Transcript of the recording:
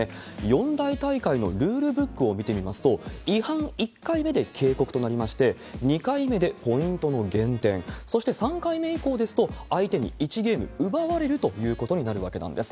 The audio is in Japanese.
四大大会のルールブックを見てみますと、違反１回目で警告となりまして、２回目でポイントの減点、そして３回目以降ですと、相手に１ゲーム奪われるということになるわけなんです。